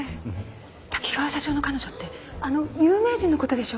滝川社長の彼女ってあの有名人のことでしょ？